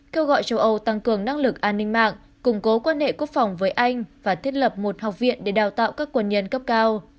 kêu gọi châu âu tăng cường năng lực an ninh mạng củng cố quan hệ quốc phòng với anh và thiết lập một học viện để đào tạo các quân nhân cấp cao